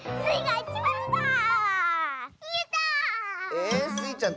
えスイちゃん